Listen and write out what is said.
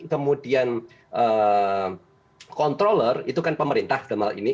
kemudian controller itu kan pemerintah dalam hal ini